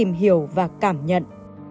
để anh tìm hiểu và cảm nhận